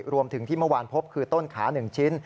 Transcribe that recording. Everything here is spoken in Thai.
รวมถึงที่เมื่อวานพบคือต้นขา๑ชิ้น